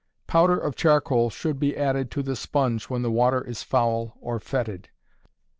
Powder of charcoal should be added to the sponge when the water is foul or fetid.